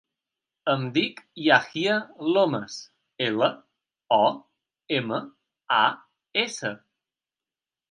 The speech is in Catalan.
Em dic Yahya Lomas: ela, o, ema, a, essa.